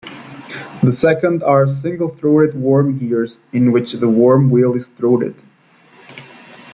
The second are single-throated worm gears, in which the worm wheel is throated.